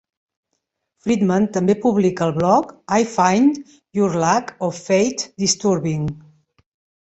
Friedman també publica el blog I Find Your Lack of Faith Disturbing.